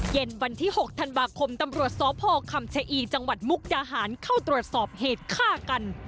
เย็นวันที่๖ธันวาคมตำรวจสพคำชะอีจังหวัดมุกดาหารเข้าตรวจสอบเหตุฆ่ากัน